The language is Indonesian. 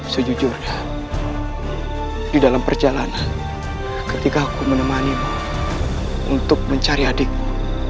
sejujurnya di dalam perjalanan ketika aku menemanimu untuk mencari adikmu